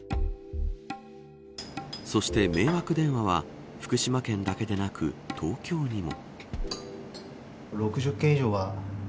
そして迷惑電話は福島県だけではなく東京にも。